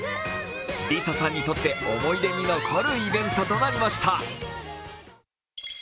ＬｉＳＡさんにとって思い出に残るイベントとなりました。